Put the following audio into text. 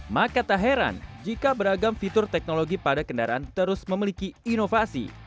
maka tak heran jika beragam fitur teknologi pada kendaraan terus memiliki inovasi